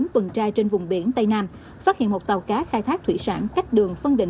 tuần trai trên vùng biển tây nam phát hiện một tàu cá khai thác thủy sản cách đường